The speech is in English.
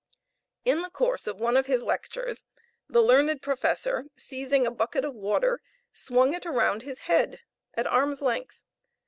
In the course of one of his lectures, the learned professor seizing a bucket of water swung it around his head at arm's length.